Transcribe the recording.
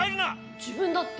自分だって！